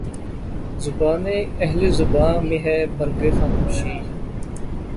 زبانِ اہلِ زباں میں ہے مرگِ خاموشی